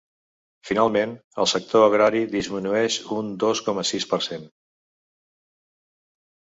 Finalment, el sector agrari disminueix un dos coma sis per cent.